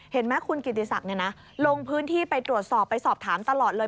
เห็นไหมคุณกิติศักดิ์ลงพื้นที่ไปตรวจสอบไปสอบถามตลอดเลย